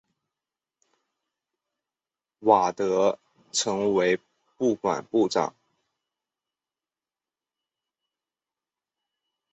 瓦德成为不管部长。